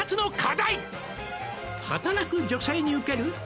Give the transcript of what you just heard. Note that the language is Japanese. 「働く女性にウケる